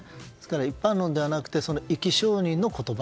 一般論ではなくて生き証人の言葉。